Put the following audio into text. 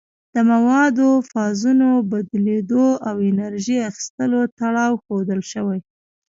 د موادو د فازونو بدلیدو او انرژي اخیستلو تړاو ښودل شوی.